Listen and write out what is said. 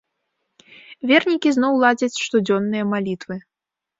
Вернікі зноў ладзяць штодзённыя малітвы.